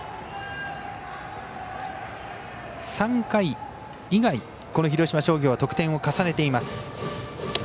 ３回以外、この広島商業得点を重ねています。